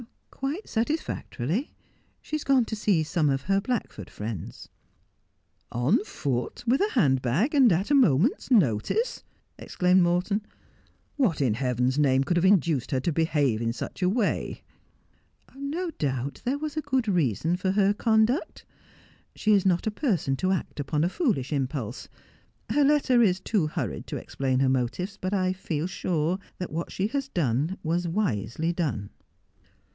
' Quite satisfactorily. She has gone to see some of her Black 'ord friends.' 304 Just as I Am. ' On foot — with a hand bag — and at a moment's notice !' exclaimed Morton. ' What in heaven's name could have induced her to behave in such a way 1 '' No doubt there was a good reason for her conduct. She is not a person to act upon a foolish impulse. Her letter is too hurried to explain her motives, but I feel sure that what she has done was wisely done.'